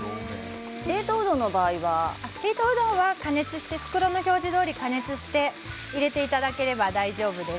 冷凍うどんの場合は袋の表示どおり加熱して入れていただければいいです。